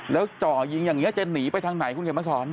แล้วจ่อยิงอย่างนี้จะหนีไปทางไหนคุณเขียนมาสอน